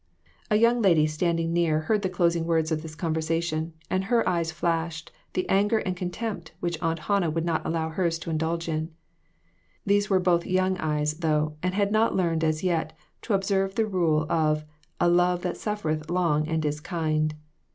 A young lady standing near heard the closing words of this conversation, and her eyes flashed the anger and contempt which Aunt Hannah would not allow hers to indulge in. These were but young eyes, though, and had not learned as yet to observe the rule of a "love that stiff ereth long and is kind."